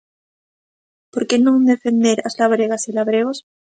Por que non defender as labregas e labregos?